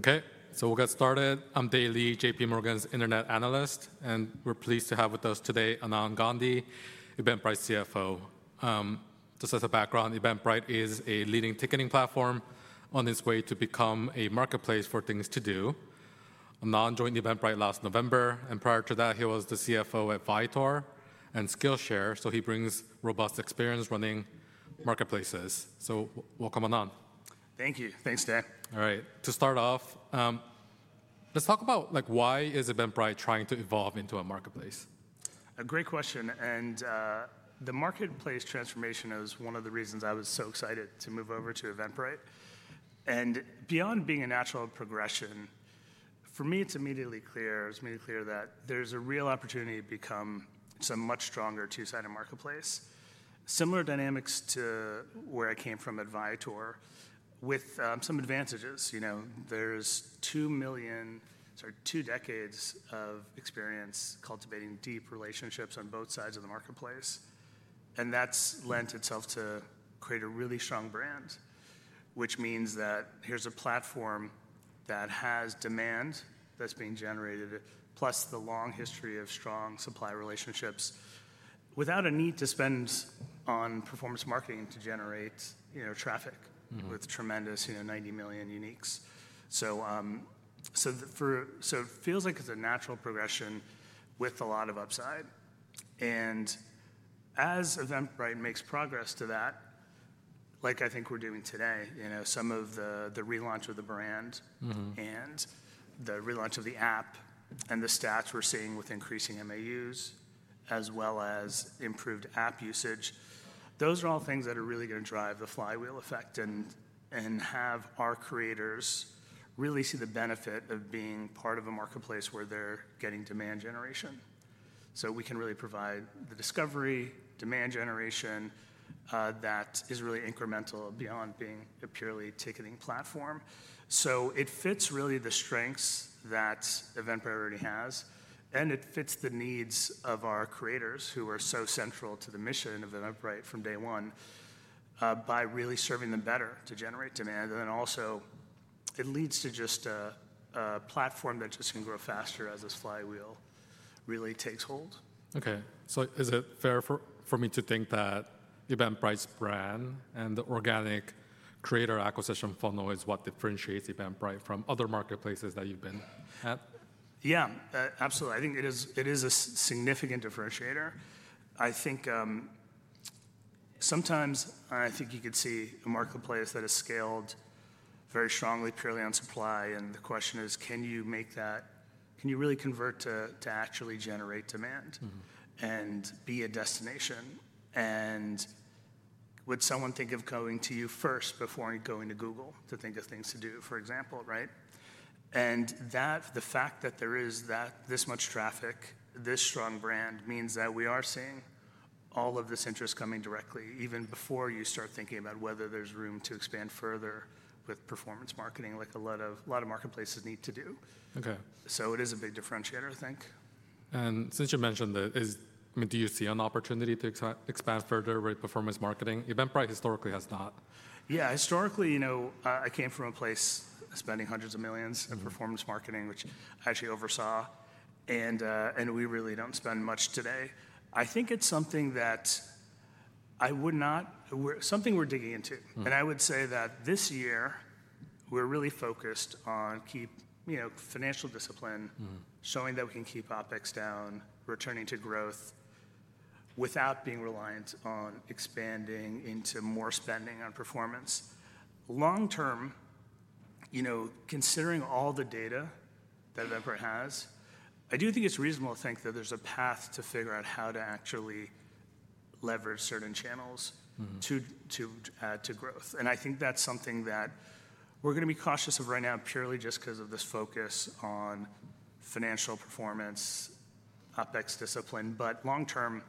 Okay, so we'll get started. I'm Dave Lee, J.P. Morgan's Internet Analyst, and we're pleased to have with us today Anand Gandhi, Eventbrite's CFO. Just as a background, Eventbrite is a leading Ticketing platform on its way to become a marketplace for things to do. Anand joined Eventbrite last November, and prior to that, he was the CFO at Viator and Skillshare, so he brings robust experience running marketplaces. So welcome, Anand. Thank you. Thanks, Dan. All right, to start off, let's talk about, like, why is Eventbrite trying to evolve into a marketplace? A great question, and the marketplace transformation is one of the reasons I was so excited to move over to Eventbrite. Beyond being a natural progression, for me, it's immediately clear, it's immediately clear that there's a real opportunity to become a much stronger two-sided marketplace. Similar dynamics to where I came from at Viator, with some advantages. You know, there's two decades of experience cultivating deep relationships on both sides of the marketplace, and that's lent itself to create a really strong brand, which means that here's a platform that has demand that's being generated, plus the long history of strong supply relationships, without a need to spend on performance marketing to generate, you know, traffic with tremendous, you know, 90 million uniques. For me, it feels like it's a natural progression with a lot of upside. As Eventbrite makes progress to that, like I think we're doing today, you know, some of the relaunch of the brand and the relaunch of the app and the stats we're seeing with increasing MAUs, as well as improved app usage, those are all things that are really going to drive the flywheel effect and have our creators really see the benefit of being part of a marketplace where they're getting demand generation. We can really provide the discovery, demand generation, that is really incremental beyond being a purely Ticketing platform. It fits really the strengths that Eventbrite already has, and it fits the needs of our creators who are so central to the mission of Eventbrite from day one, by really serving them better to generate demand. It leads to just a platform that just can grow faster as this flywheel really takes hold. Okay, so is it fair for me to think that Eventbrite's brand and the organic creator acquisition funnel is what differentiates Eventbrite from other marketplaces that you've been at? Yeah, absolutely. I think it is a significant differentiator. I think sometimes you could see a marketplace that is scaled very strongly, purely on supply, and the question is, can you make that—can you really convert to actually generate demand and be a destination? Would someone think of going to you first before going to Google to think of things to do, for example, right? The fact that there is this much traffic, this strong brand, means that we are seeing all of this interest coming directly, even before you start thinking about whether there's room to expand further with performance marketing, like a lot of marketplaces need to do. Okay. It is a big differentiator, I think. Since you mentioned that, is—I mean, do you see an opportunity to expand further, right, performance marketing? Eventbrite historically has not. Yeah, historically, you know, I came from a place spending hundreds of millions in performance marketing, which I actually oversaw, and we really do not spend much today. I think it is something that I would not—we are something we are digging into. I would say that this year, we are really focused on, you know, financial discipline, showing that we can keep OPEX down, returning to growth, without being reliant on expanding into more spending on performance. Long term, you know, considering all the data that Eventbrite has, I do think it is reasonable to think that there is a path to figure out how to actually leverage certain channels to add to growth. I think that is something that we are going to be cautious of right now, purely just because of this focus on financial performance, OPEX discipline. Long term,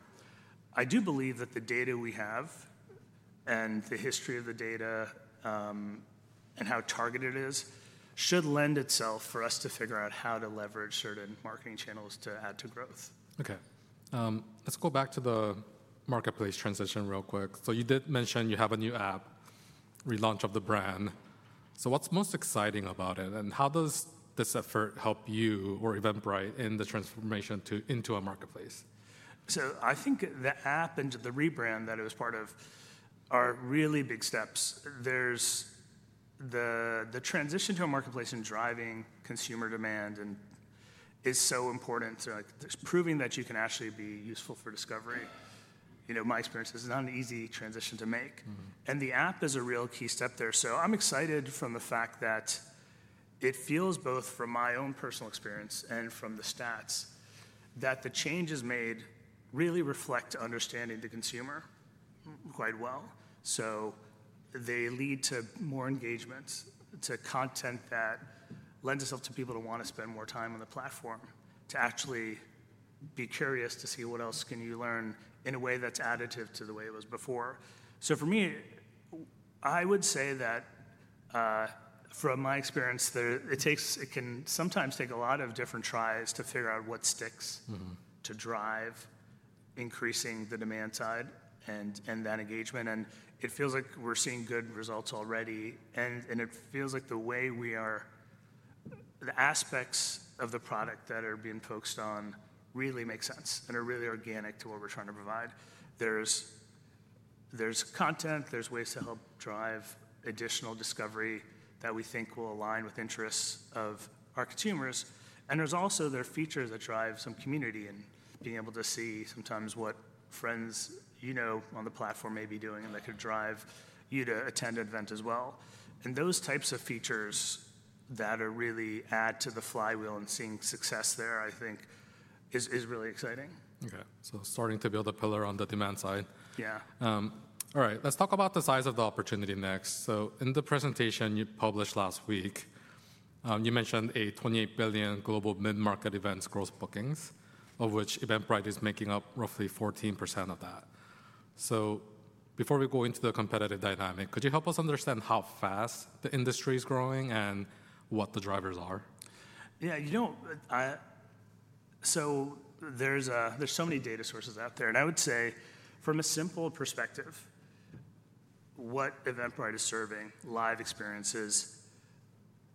I do believe that the data we have and the history of the data, and how targeted it is, should lend itself for us to figure out how to leverage certain marketing channels to add to growth. Okay, let's go back to the marketplace transition real quick. You did mention you have a new app, relaunch of the brand. What's most exciting about it, and how does this effort help you or Eventbrite in the transformation to into a marketplace? I think the app and the rebrand that it was part of are really big steps. There's the transition to a marketplace and driving consumer demand is so important. Like, there's proving that you can actually be useful for discovery. You know, my experience is not an easy transition to make, and the app is a real key step there. I'm excited from the fact that it feels, both from my own personal experience and from the stats, that the changes made really reflect understanding the consumer quite well. They lead to more engagement, to content that lends itself to people wanting to spend more time on the platform, to actually being curious to see what else you can learn in a way that's additive to the way it was before. For me, I would say that from my experience, it can sometimes take a lot of different tries to figure out what sticks to drive increasing the demand side and that engagement. It feels like we're seeing good results already, and it feels like the way we are, the aspects of the product that are being focused on, really make sense and are really organic to what we're trying to provide. There's content, there's ways to help drive additional discovery that we think will align with interests of our consumers. There's also features that drive some community and being able to see sometimes what friends you know on the platform may be doing that could drive you to attend an event as well. Those types of features that really add to the flywheel and seeing success there, I think, is really exciting. Okay, so starting to build a pillar on the demand side. Yeah. All right, let's talk about the size of the opportunity next. In the presentation you published last week, you mentioned a $28 billion global mid-market events gross bookings, of which Eventbrite is making up roughly 14% of that. Before we go into the competitive dynamic, could you help us understand how fast the industry is growing and what the drivers are? Yeah, you know, I, so there's so many data sources out there, and I would say from a simple perspective, what Eventbrite is serving, live experiences,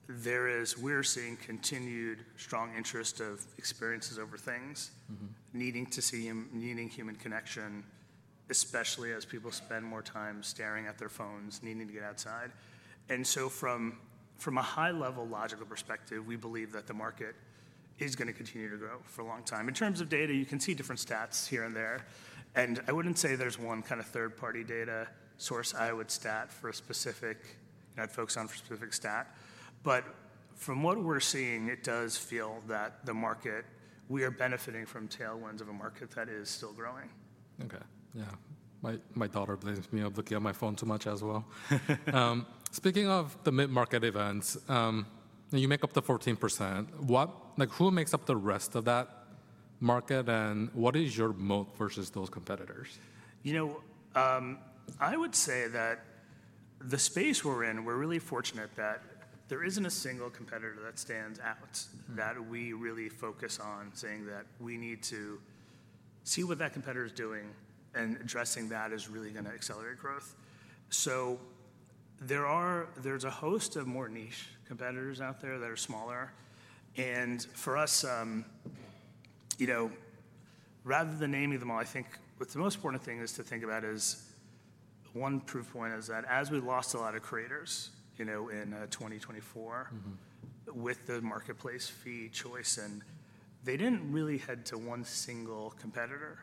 there is, we're seeing continued strong interest of experiences over things, needing to see, needing human connection, especially as people spend more time staring at their phones, needing to get outside. From a high-level logical perspective, we believe that the market is going to continue to grow for a long time. In terms of data, you can see different stats here and there, and I wouldn't say there's one kind of third-party data source I would stat for a specific, you know, I'd focus on for a specific stat. From what we're seeing, it does feel that the market, we are benefiting from tailwinds of a market that is still growing. Okay, yeah, my daughter blames me of looking at my phone too much as well. Speaking of the mid-market events, you make up the 14%. What, like, who makes up the rest of that market, and what is your moat versus those competitors? You know, I would say that the space we're in, we're really fortunate that there isn't a single competitor that stands out that we really focus on saying that we need to see what that competitor is doing, and addressing that is really going to accelerate growth. There are a host of more niche competitors out there that are smaller. For us, you know, rather than naming them all, I think what's the most important thing to think about is one proof point is that as we lost a lot of creators, you know, in 2024 with the marketplace fee choice, and they didn't really head to one single competitor.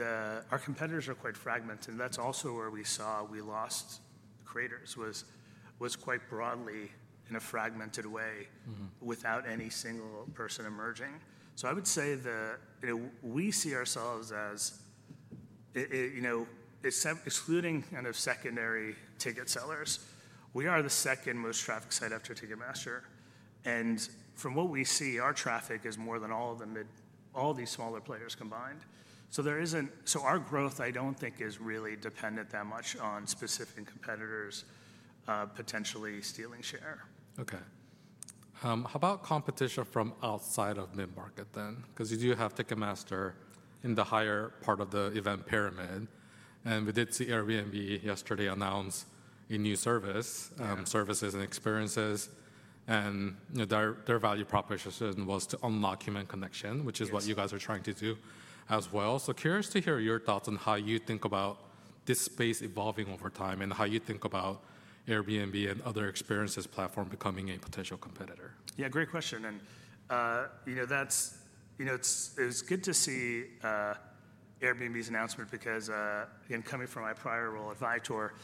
Our competitors are quite fragmented, and that's also where we saw we lost creators was quite broadly in a fragmented way without any single person emerging. I would say that, you know, we see ourselves as, you know, excluding kind of secondary ticket sellers, we are the second most trafficked site after Ticketmaster. From what we see, our traffic is more than all of the mid, all these smaller players combined. There isn't, so our growth, I don't think, is really dependent that much on specific competitors potentially stealing share. Okay, how about competition from outside of mid-market then? Because you do have Ticketmaster in the higher part of the event pyramid, and we did see Airbnb yesterday announce a new service, services and experiences. You know, their value proposition was to unlock human connection, which is what you guys are trying to do as well. Curious to hear your thoughts on how you think about this space evolving over time and how you think about Airbnb and other experiences platform becoming a potential competitor. Yeah, great question. You know, it was good to see Airbnb's announcement because, again, coming from my prior role at Viator,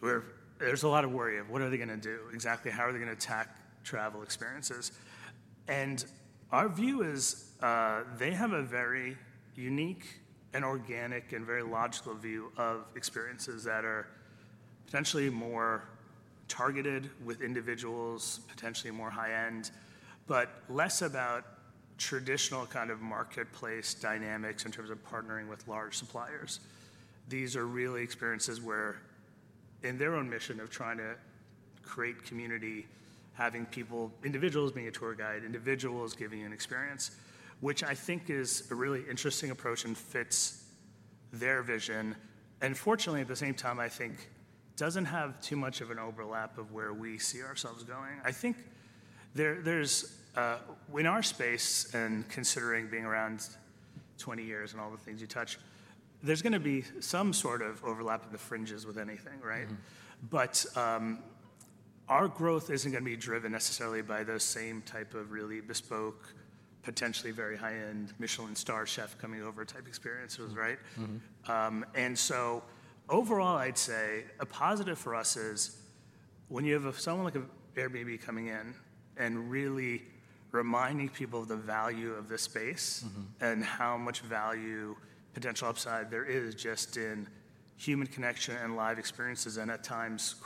where there's a lot of worry of what are they going to do exactly, how are they going to attack travel experiences? Our view is, they have a very unique and organic and very logical view of experiences that are potentially more targeted with individuals, potentially more high-end, but less about traditional kind of marketplace dynamics in terms of partnering with large suppliers. These are really experiences where in their own mission of trying to create community, having people, individuals being a tour guide, individuals giving you an experience, which I think is a really interesting approach and fits their vision. Fortunately, at the same time, I think it doesn't have too much of an overlap of where we see ourselves going. I think there's, in our space and considering being around 20 years and all the things you touch, there's going to be some sort of overlap at the fringes with anything, right? Our growth isn't going to be driven necessarily by those same type of really bespoke, potentially very high-end Michelin star chef coming over type experiences, right? Overall, I'd say a positive for us is when you have someone like an Airbnb coming in and really reminding people of the value of this space and how much value potential upside there is just in human connection and live experiences. At times,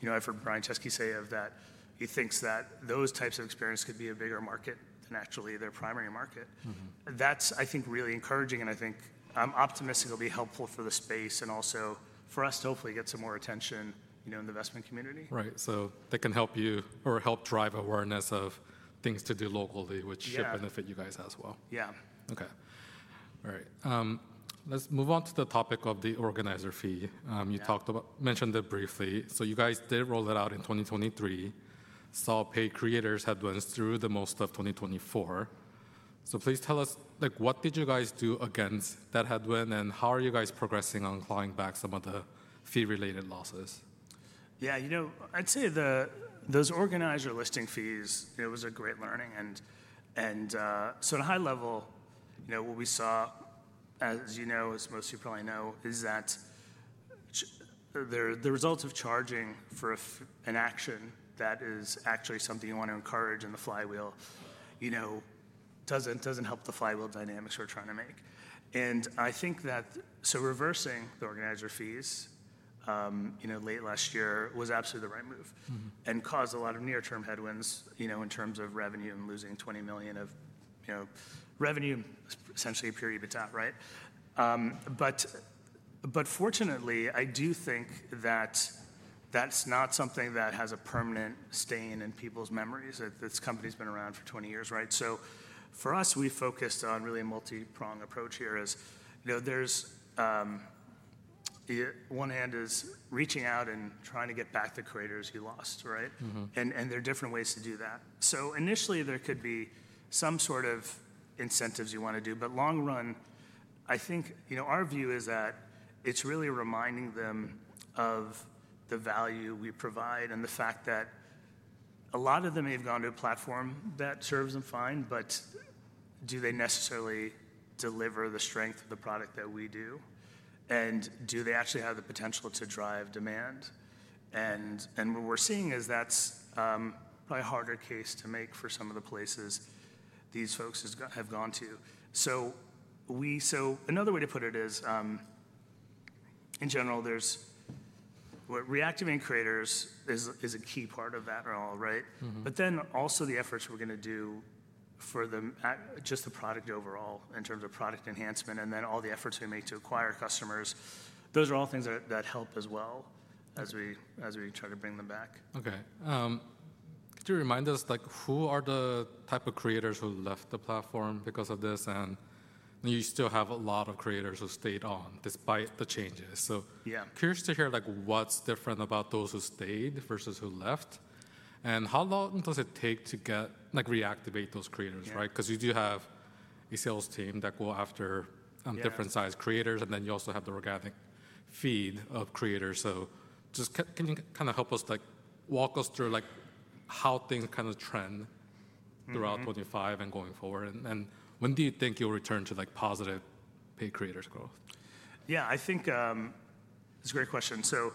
you know, I've heard Brian Chesky say that he thinks that those types of experiences could be a bigger market than actually their primary market. That's, I think, really encouraging, and I think I'm optimistic it'll be helpful for the space and also for us to hopefully get some more attention, you know, in the investment community. Right, so that can help you or help drive awareness of things to do locally, which should benefit you guys as well. Yeah. Okay, all right, let's move on to the topic of the Organizer Fee. You talked about, mentioned it briefly. So you guys did roll it out in 2023, saw paid creators headwinds through most of 2024. Please tell us, like, what did you guys do against that headwind, and how are you guys progressing on clawing back some of the fee-related losses? Yeah, you know, I'd say those organizer listing fees, it was a great learning. And, and, so at a high level, you know, what we saw, as you know, as most of you probably know, is that the results of charging for an action that is actually something you want to encourage in the flywheel, you know, doesn't doesn't help the flywheel dynamics we're trying to make. I think that reversing the Organizer Fees, you know, late last year was absolutely the right move and caused a lot of near-term headwinds, you know, in terms of revenue and losing $20 million of, you know, revenue, essentially a period of doubt, right? but but fortunately, I do think that that's not something that has a permanent stain in people's memories that this company's been around for 20 years, right? For us, we focused on really a multi-prong approach here. You know, there's one hand is reaching out and trying to get back the creators you lost, right? There are different ways to do that. Initially, there could be some sort of incentives you want to do, but long run, I think, you know, our view is that it's really reminding them of the value we provide and the fact that a lot of them may have gone to a platform that serves them fine, but do they necessarily deliver the strength of the product that we do? Do they actually have the potential to drive demand? What we're seeing is that's probably a harder case to make for some of the places these folks have gone to. Another way to put it is, in general, reactivating creators is a key part of that all, right? Also, the efforts we're going to do for the product overall in terms of product enhancement and then all the efforts we make to acquire customers, those are all things that help as we try to bring them back. Okay, could you remind us, like, who are the type of creators who left the platform because of this? You still have a lot of creators who stayed on despite the changes. Curious to hear, like, what's different about those who stayed versus who left? How long does it take to get, like, reactivate those creators, right? You do have a sales team that go after different size creators, and then you also have the organic feed of creators. Can you kind of help us, like, walk us through, like, how things kind of trend throughout 2025 and going forward? When do you think you'll return to, like, positive paid creators growth? Yeah, I think it's a great question. So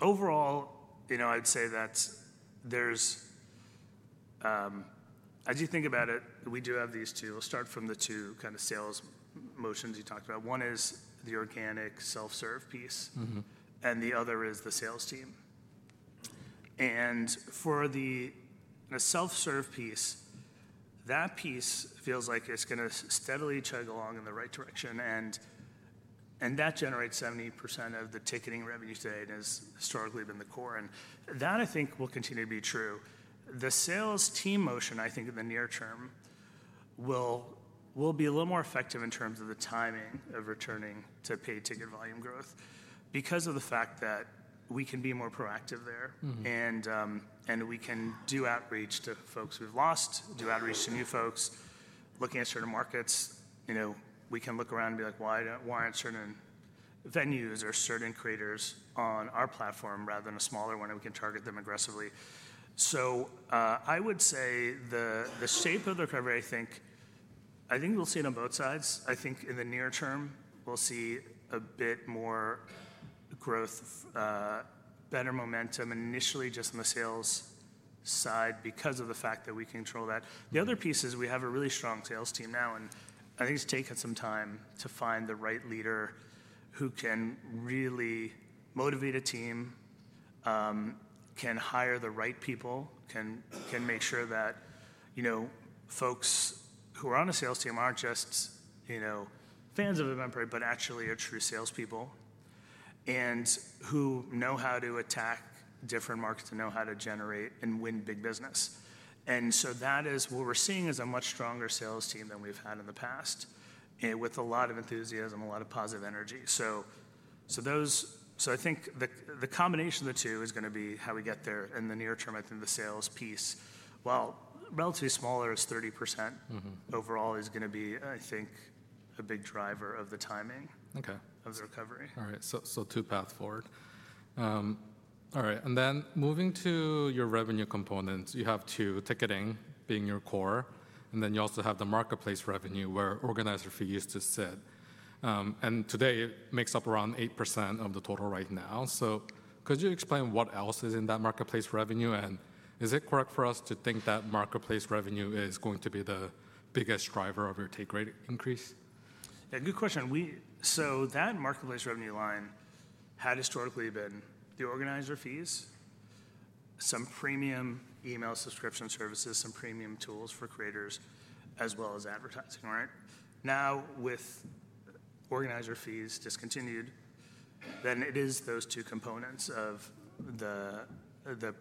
overall, you know, I'd say that there's, as you think about it, we do have these two. We'll start from the two kind of sales motions you talked about. One is the organic self-serve piece, and the other is the sales team. For the self-serve piece, that piece feels like it's going to steadily chug along in the right direction, and that generates 70% of the Ticketing revenue today and has historically been the core. That, I think, will continue to be true. The sales team motion, I think, in the near term will be a little more effective in terms of the timing of returning to paid ticket volume growth because of the fact that we can be more proactive there. We can do outreach to folks we've lost, do outreach to new folks, looking at certain markets. You know, we can look around and be like, "Why don't we want certain venues or certain creators on our platform rather than a smaller one?" We can target them aggressively. I would say the shape of the recovery, I think we'll see it on both sides. I think in the near term, we'll see a bit more growth, better momentum initially just on the sales side because of the fact that we control that. The other piece is we have a really strong sales team now, and I think it's taken some time to find the right leader who can really motivate a team, can hire the right people, can make sure that, you know, folks who are on a sales team aren't just, you know, fans of Eventbrite, but actually are true salespeople and who know how to attack different markets and know how to generate and win big business. That is what we're seeing is a much stronger sales team than we've had in the past with a lot of enthusiasm, a lot of positive energy. I think the combination of the two is going to be how we get there in the near term. I think the sales piece, while relatively smaller, is 30% overall, is going to be, I think, a big driver of the timing of the recovery. Okay, all right, so two paths forward. All right, and then moving to your revenue components, you have Ticketing being your core, and then you also have the marketplace revenue where Organizer Fee to sit. And today it makes up around eight percent of the total right now. Could you explain what else is in that marketplace revenue, and is it correct for us to think that marketplace revenue is going to be the biggest driver of your take rate increase? Yeah, good question. We, so that marketplace revenue line had historically been the Organizer Fees, some Premium Email Subscription services, some Premium Tools for Creators, as well as Advertising, right? Now with Organizer Fees discontinued, then it is those two components of the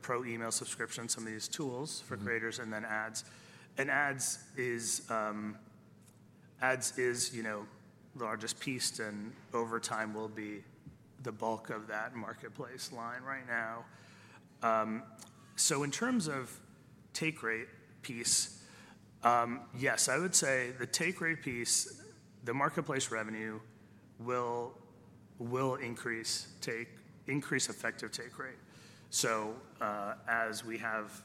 Pro Email Subscription, some of these Tools for Creators, and then ads. And ads is, you know, the largest piece, and over time will be the bulk of that marketplace line right now. In terms of take rate piece, yes, I would say the take rate piece, the marketplace revenue will increase effective take rate. As we have,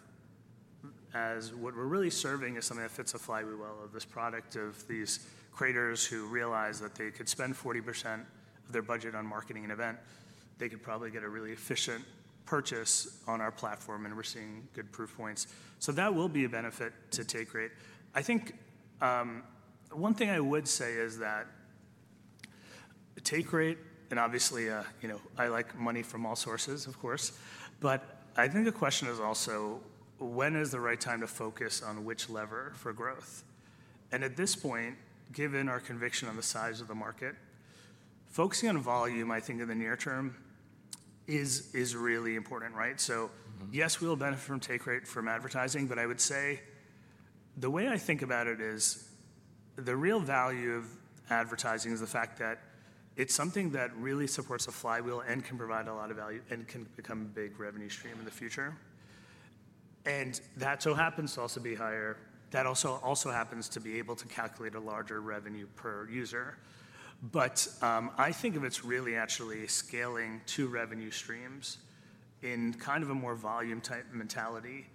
what we're really serving is something that fits a flywheel of this product, of these creators who realize that they could spend 40% of their budget on marketing an event, they could probably get a really efficient purchase on our platform, and we're seeing good proof points. That will be a benefit to take rate. I think one thing I would say is that take rate, and obviously, you know, I like money from all sources, of course, but I think the question is also when is the right time to focus on which lever for growth? At this point, given our conviction on the size of the market, focusing on volume, I think in the near term is really important, right? Yes, we will benefit from take rate from Advertising, but I would say the way I think about it is the real value of Advertising is the fact that it's something that really supports a flywheel and can provide a lot of value and can become a big revenue stream in the future. That also happens to be able to calculate a larger revenue per user. I think of it as really actually scaling two revenue streams in kind of a more volume type mentality.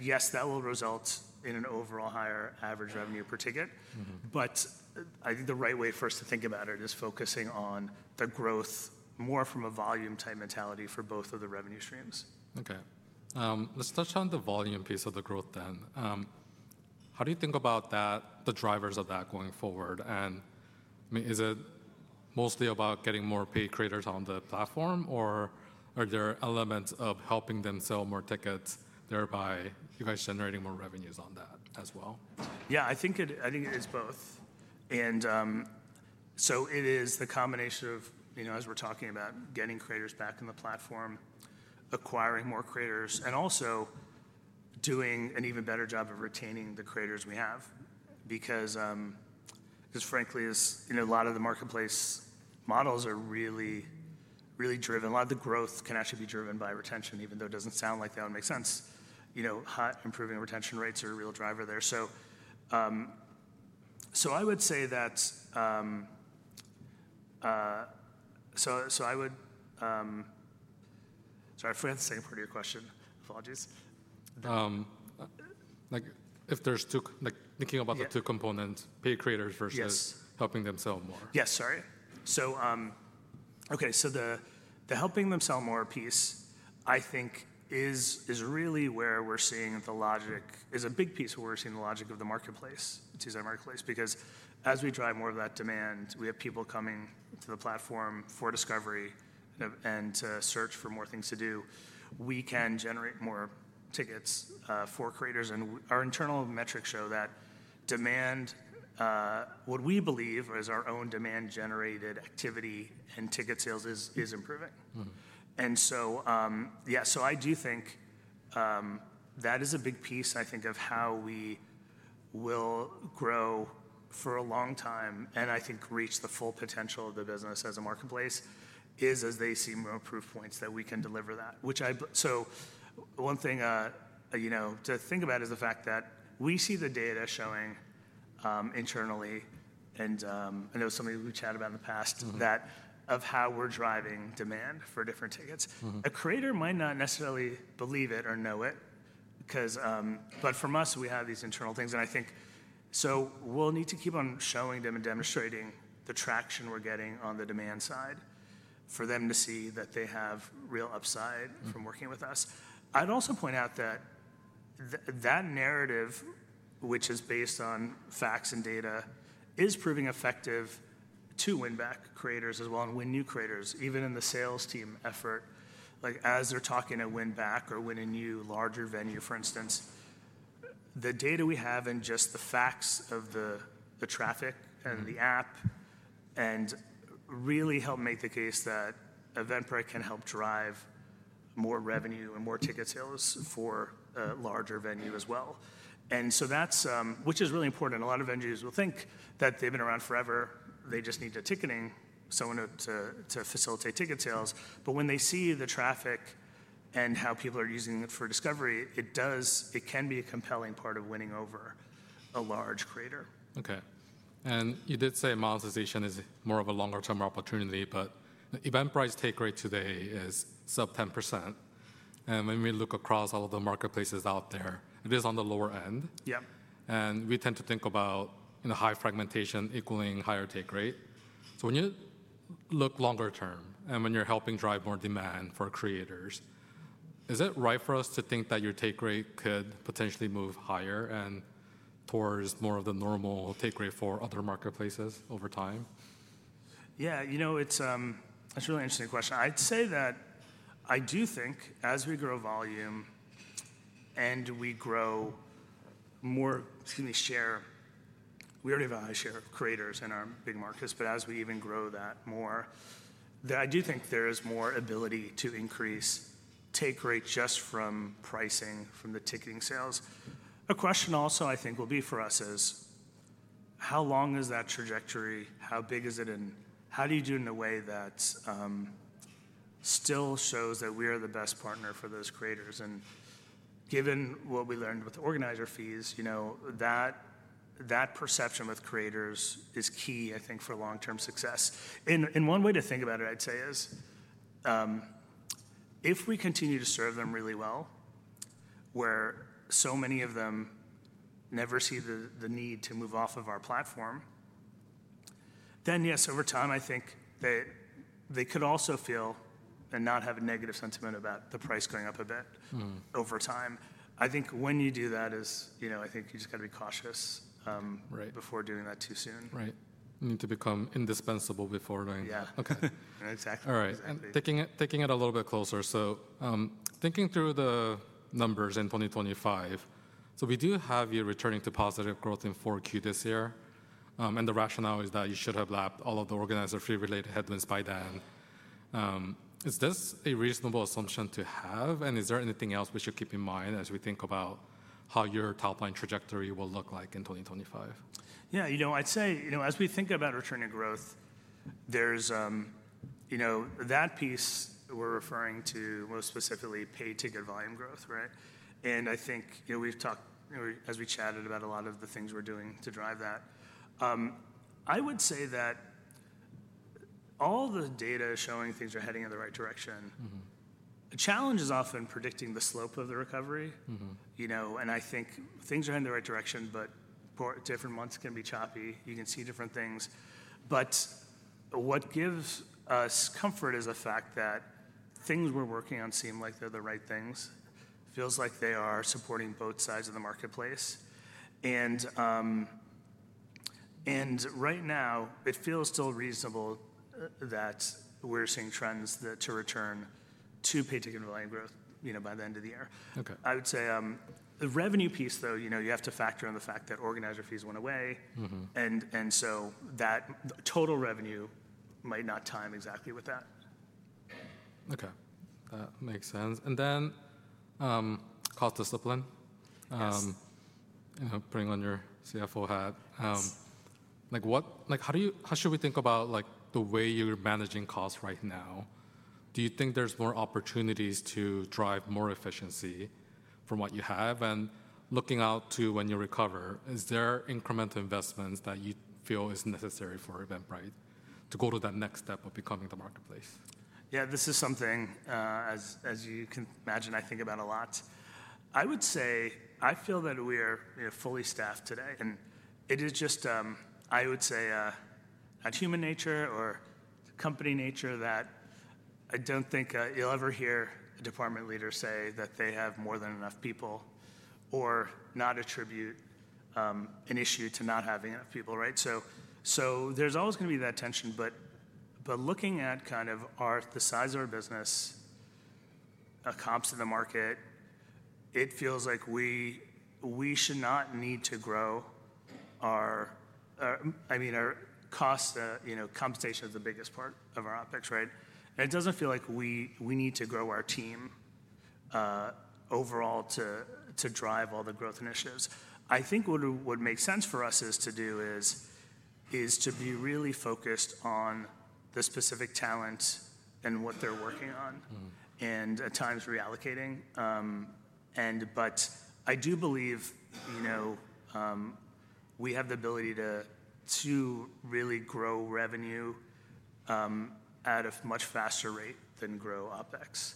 Yes, that will result in an overall higher average revenue per ticket, but I think the right way for us to think about it is focusing on the growth more from a volume type mentality for both of the revenue streams. Okay, let's touch on the volume piece of the growth then. How do you think about that, the drivers of that going forward? I mean, is it mostly about getting more paid creators on the platform, or are there elements of helping them sell more tickets, thereby you guys generating more revenues on that as well? Yeah, I think it is both. It is the combination of, you know, as we're talking about getting creators back on the platform, acquiring more creators, and also doing an even better job of retaining the creators we have because, frankly, as you know, a lot of the marketplace models are really, really driven. A lot of the growth can actually be driven by retention, even though it doesn't sound like that would make sense. You know, improving retention rates are a real driver there. I would say that, sorry, I forgot the second part of your question. Apologies. like if there's two, like thinking about the two components, paid creators versus helping them sell more. Yes, sorry. Okay, the helping them sell more piece, I think, is really where we're seeing the logic is a big piece where we're seeing the logic of the marketplace, TZ marketplace, because as we drive more of that demand, we have people coming to the platform for discovery and to search for more things to do. We can generate more tickets for creators, and our internal metrics show that demand, what we believe is our own demand-generated activity and ticket sales, is improving. Yeah, I do think that is a big piece, I think, of how we will grow for a long time and I think reach the full potential of the business as a marketplace is as they see more proof points that we can deliver that, which I—so one thing, you know, to think about is the fact that we see the data showing, internally, and I know some of you who chat about in the past that of how we're driving demand for different tickets. A creator might not necessarily believe it or know it because, but from us, we have these internal things. I think we will need to keep on showing them and demonstrating the traction we're getting on the demand side for them to see that they have real upside from working with us. I'd also point out that that narrative, which is based on facts and data, is proving effective to win back creators as well and win new creators, even in the sales team effort, like as they're talking to win back or win a new larger venue, for instance, the data we have and just the facts of the traffic and the app really help make the case that Eventbrite can help drive more revenue and more ticket sales for a larger venue as well. That is really important. A lot of venues will think that they've been around forever. They just need the Ticketing, someone to facilitate ticket sales. When they see the traffic and how people are using it for discovery, it can be a compelling part of winning over a large creator. Okay, and you did say monetization is more of a longer-term opportunity, but Eventbrite's take rate today is sub-10%. And when we look across all of the marketplaces out there, it is on the lower end. Yep. We tend to think about, you know, high fragmentation equaling higher take rate. When you look longer term and when you're helping drive more demand for creators, is it right for us to think that your take rate could potentially move higher and towards more of the normal take rate for other marketplaces over time? Yeah, you know, that's a really interesting question. I'd say that I do think as we grow volume and we grow more, excuse me, share, we already have a high share of creators in our big markets, but as we even grow that more, I do think there is more ability to increase take rate just from pricing, from the Ticketing sales. A question also I think will be for us is how long is that trajectory? How big is it? How do you do it in a way that still shows that we are the best partner for those creators? Given what we learned with Organizer Fees, you know, that perception with creators is key, I think, for long-term success. One way to think about it, I'd say, is, if we continue to serve them really well, where so many of them never see the need to move off of our platform, then yes, over time, I think they could also feel and not have a negative sentiment about the price going up a bit over time. I think when you do that is, you know, I think you just got to be cautious, before doing that too soon. Right. Right. Need to become indispensable before doing. Yeah. Okay. Exactly. All right. Taking it a little bit closer. So, thinking through the numbers in 2025, we do have you returning to positive growth in Q4 this year, and the rationale is that you should have lapped all of the Organizer Fee-related headwinds by then. Is this a reasonable assumption to have? Is there anything else we should keep in mind as we think about how your top-line trajectory will look like in 2025? Yeah, you know, I'd say, you know, as we think about returning to growth, there's, you know, that piece we're referring to most specifically paid ticket volume growth, right? And I think, you know, we've talked, you know, as we chatted about a lot of the things we're doing to drive that. I would say that all the data is showing things are heading in the right direction. The challenge is often predicting the slope of the recovery, you know, and I think things are heading in the right direction, but different months can be choppy. You can see different things. What gives us comfort is the fact that things we're working on seem like they're the right things. It feels like they are supporting both sides of the marketplace. Right now, it feels still reasonable that we're seeing trends that to return to paid ticket volume growth, you know, by the end of the year. Okay. I would say, the revenue piece, though, you know, you have to factor in the fact that Organizer Fees went away. And so that total revenue might not time exactly with that. Okay. That makes sense. And then, cost discipline. Yes. You know, putting on your CFO hat, like what, like how do you, how should we think about, like, the way you're managing costs right now? Do you think there's more opportunities to drive more efficiency from what you have? And looking out to when you recover, is there incremental investments that you feel is necessary for Eventbrite to go to that next step of becoming the marketplace? Yeah, this is something, as you can imagine, I think about a lot. I would say I feel that we are, you know, fully staffed today. It is just, I would say, a human nature or company nature that I don't think you'll ever hear a department leader say that they have more than enough people or not attribute an issue to not having enough people, right? There's always going to be that tension. Looking at kind of the size of our business, comps to the market, it feels like we should not need to grow our, I mean, our cost, you know, compensation is the biggest part of our OPEX, right? It doesn't feel like we need to grow our team overall to drive all the growth initiatives. I think what would make sense for us is to be really focused on the specific talent and what they're working on and at times reallocating. I do believe, you know, we have the ability to really grow revenue at a much faster rate than grow opex.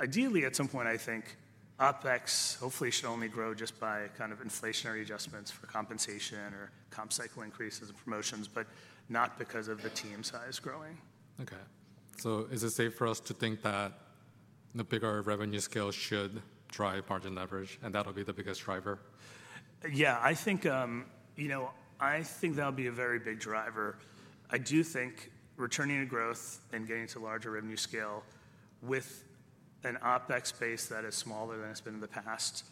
Ideally, at some point, I think opex hopefully should only grow just by kind of inflationary adjustments for compensation or comp cycle increases and promotions, but not because of the team size growing. Okay. Is it safe for us to think that the bigger revenue scale should drive margin leverage and that'll be the biggest driver? Yeah, I think, you know, I think that'll be a very big driver. I do think returning to growth and getting to larger revenue scale with an OPEX base that is smaller than it's been in the past,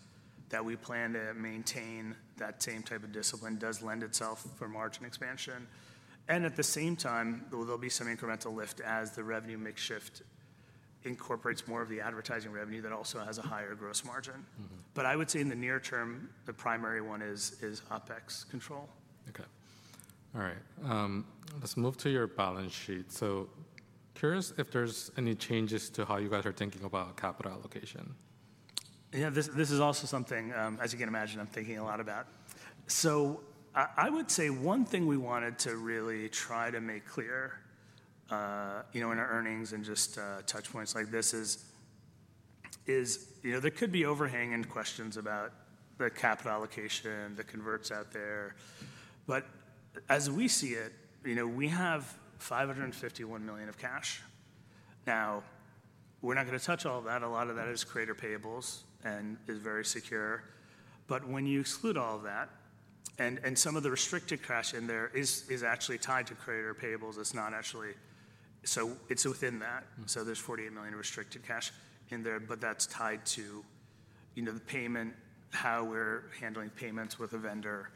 that we plan to maintain that same type of discipline does lend itself for margin expansion. At the same time, there'll be some incremental lift as the revenue makeshift incorporates more of the Advertising revenue that also has a higher gross margin. I would say in the near term, the primary one is OPEX control. Okay. All right. Let's move to your balance sheet. So curious if there's any changes to how you guys are thinking about capital allocation. Yeah, this is also something, as you can imagine, I'm thinking a lot about. I would say one thing we wanted to really try to make clear, you know, in our earnings and just touch points like this is, you know, there could be overhanging questions about the capital allocation, the converts out there. As we see it, we have $551 million of cash. Now, we're not going to touch all of that. A lot of that is creator payables and is very secure. When you exclude all of that, and some of the restricted cash in there is actually tied to creator payables. It's not actually, so it's within that. There is $48 million of restricted cash in there, but that's tied to, you know, the payment, how we're handling payments with a vendor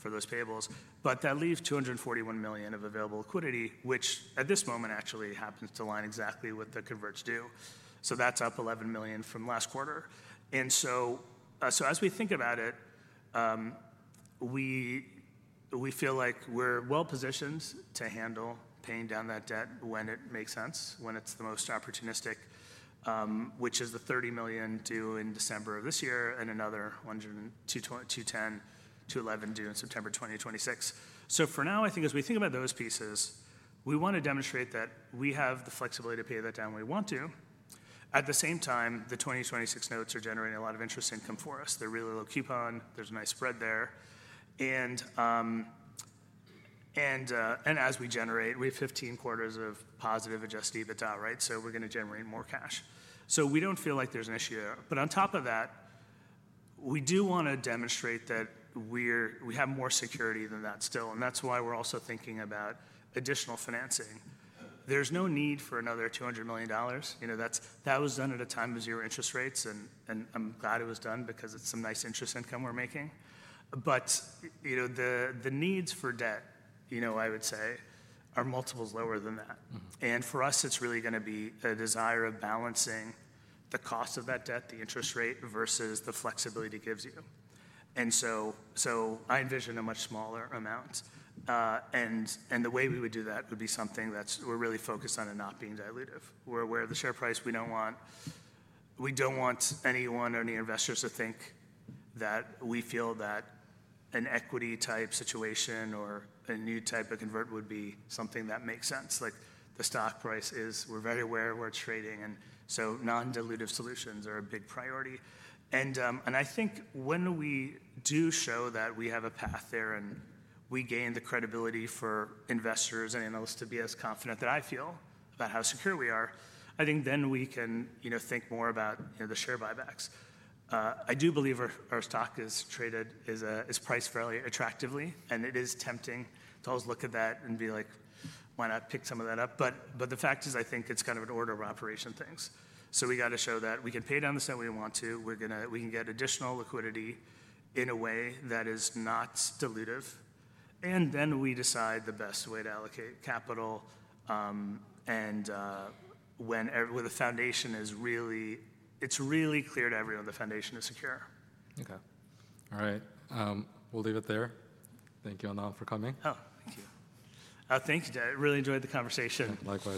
for those payables. That leaves $241 million of available liquidity, which at this moment actually happens to line exactly with the converts due. That is up $11 million from last quarter. As we think about it, we feel like we are well positioned to handle paying down that debt when it makes sense, when it is the most opportunistic, which is the $30 million due in December of this year and another $210 million-$211 million due in September 2026. For now, I think as we think about those pieces, we want to demonstrate that we have the flexibility to pay that down when we want to. At the same time, the 2026 notes are generating a lot of interest income for us. They are really low coupon. There is a nice spread there. As we generate, we have 15 quarters of positive adjusted EBITDA, right? We're going to generate more cash. We don't feel like there's an issue. On top of that, we do want to demonstrate that we have more security than that still. That's why we're also thinking about additional financing. There's no need for another $200 million. That was done at a time of zero interest rates. I'm glad it was done because it's some nice interest income we're making. The needs for debt, I would say, are multiples lower than that. For us, it's really going to be a desire of balancing the cost of that debt, the interest rate versus the flexibility it gives you. I envision a much smaller amount. And the way we would do that would be something that we're really focused on, it not being dilutive. We're aware of the share price. We don't want anyone or any investors to think that we feel that an equity-type situation or a new type of convert would be something that makes sense. The stock price is, we're very aware of where it's trading. Non-dilutive solutions are a big priority. I think when we do show that we have a path there and we gain the credibility for investors and analysts to be as confident as I feel about how secure we are, I think then we can, you know, think more about, you know, the share buybacks. I do believe our stock is traded, is priced fairly attractively. It is tempting to always look at that and be like, why not pick some of that up? The fact is, I think it's kind of an order of operation thing. We got to show that we can pay down the stuff we want to. We can get additional liquidity in a way that is not dilutive. Then we decide the best way to allocate capital, and when the foundation is really, it's really clear to everyone the foundation is secure. Okay. All right. We'll leave it there. Thank you all now for coming. Oh, thank you. Thank you, Dave. I really enjoyed the conversation. Likewise.